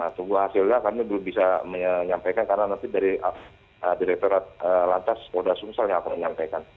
tunggu hasilnya kami belum bisa menyampaikan karena nanti dari direkturat lantas polda sumsel yang akan menyampaikan